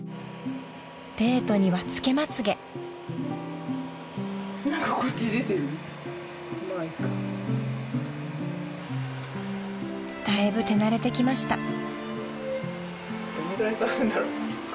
［デートには付けまつげ］［だいぶ手慣れてきました］